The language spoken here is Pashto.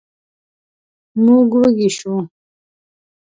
موږ وږي شوو.